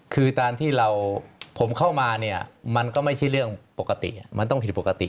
คือตอนที่เราผมเข้ามาเนี่ยมันก็ไม่ใช่เรื่องปกติมันต้องผิดปกติ